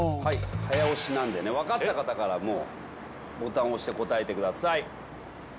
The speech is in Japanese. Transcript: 早押しなんでね分かった方からボタンを押して答えてください。